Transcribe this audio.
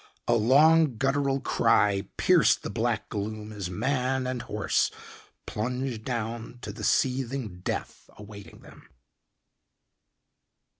A long, guttural cry pierced the black gloom as man and horse plunged down to the seething death awaiting them.